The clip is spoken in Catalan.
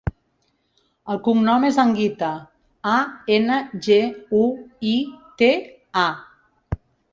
El cognom és Anguita: a, ena, ge, u, i, te, a.